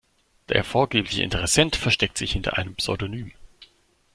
Der vorgebliche Interessent versteckt sich hinter einem Pseudonym.